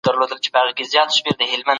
موږ اوس مهال د ډیټابیس په اړه لولو.